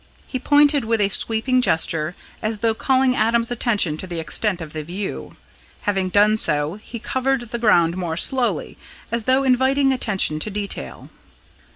He pointed with a sweeping gesture, as though calling Adam's attention to the extent of the view. Having done so, he covered the ground more slowly, as though inviting attention to detail.